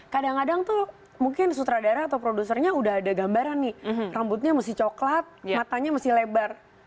kadang kadang tuh mungkin sutradara atau produsernya udah ada gambaran nih rambutnya mesti coklat matanya mesti lebar